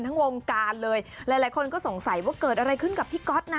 ทั้งวงการเลยหลายคนก็สงสัยว่าเกิดอะไรขึ้นกับพี่ก๊อตนะ